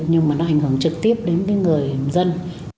nhưng mà nó ảnh hưởng trực tiếp đến người dân